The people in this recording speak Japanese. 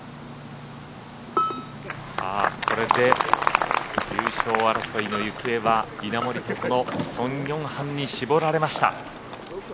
これで優勝争いの行方は稲森とこのソン・ヨンハンに絞られました。